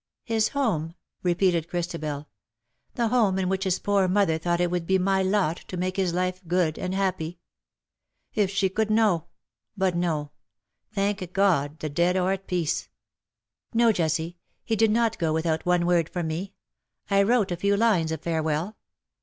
" His home,^^ repeated Christabel ;" the home in which his poor mother thought it would be my lot to make his life good and happy. If she could know — but no — thank God the dead are at peace. No, Jessie, he did not go without one word from me. I wrote a few lines of farewell.